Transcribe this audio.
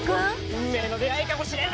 運命の出会いかもしれないんだ！